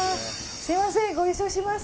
すみません、ご一緒します。